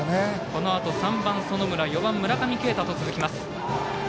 このあと３番、園村４番、村上慶太と続きます。